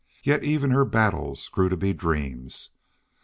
Yet even her battles grew to be dreams.